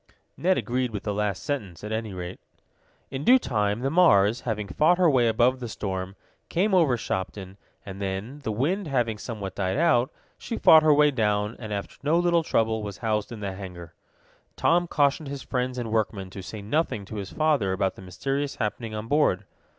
Ned agreed with the last statement, at any rate. In due time the Mars, having fought her way above the storm, came over Shopton, and then, the wind having somewhat died out, she fought her way down, and, after no little trouble, was housed in the hangar. Tom cautioned his friends and workmen to say nothing to his father about the mysterious happening on board.